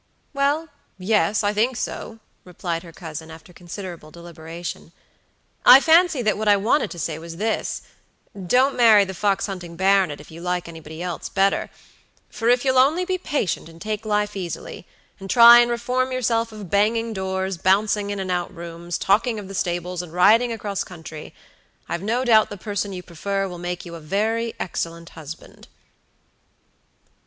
"Well, yes, I think so," replied her cousin, after considerable deliberation. "I fancy that what I wanted to say was thisdon't marry the fox hunting baronet if you like anybody else better; for if you'll only be patient and take life easily, and try and reform yourself of banging doors, bouncing in and out rooms, talking of the stables, and riding across country, I've no doubt the person you prefer will make you a very excellent husband."